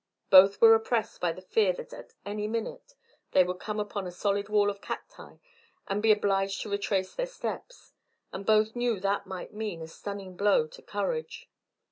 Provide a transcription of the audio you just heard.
Both were oppressed by the fear that at any minute they would come upon a solid wall of cacti and be obliged to retrace their steps, and both knew that might mean a stunning blow to courage.